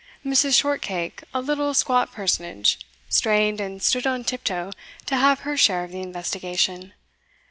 Mrs. Shortcake, a little squat personage, strained and stood on tiptoe to have her share of the investigation.